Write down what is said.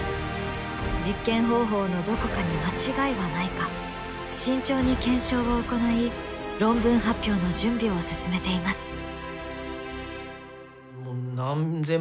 実験方法のどこかに間違いはないか慎重に検証を行い論文発表の準備を進めています。